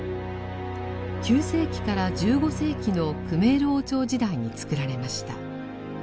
９世紀から１５世紀のクメール王朝時代に造られました。